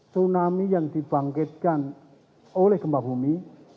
tsunami yang dibangkitkan oleh gempa bumi